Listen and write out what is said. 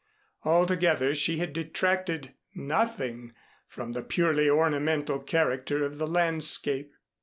Altogether she had detracted nothing from the purely ornamental character of the landscape.